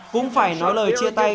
cũng phải nói lời chia tay